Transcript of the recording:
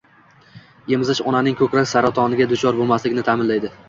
Emizish onaning ko‘krak saratoniga duchor bo‘lmasligini ta’minlaydi.